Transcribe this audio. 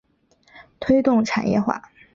推动产业化